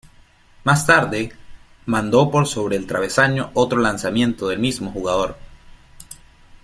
Más tarde, mandó por sobre el travesaño otro lanzamiento del mismo jugador.